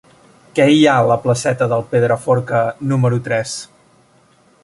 Què hi ha a la placeta del Pedraforca número tres?